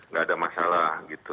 gak ada masalah gitu